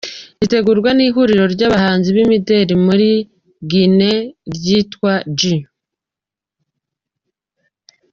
Ritegurwa n’ihuriro ry’abahanzi b’imideli muri Guinée ryitwa G.